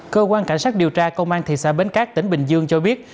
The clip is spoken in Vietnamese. cơ quan cảnh sát điều tra công an thị xã bến cát tỉnh bình dương cho biết